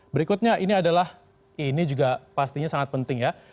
berikutnya ini adalah ini juga pastinya sangat penting ya